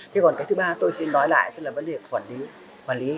thế còn cái thứ ba tôi xin nói lại là vấn đề quản lý